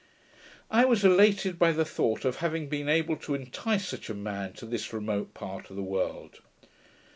I was elated by the thought of having been able to entice such a man to this remote part of the world.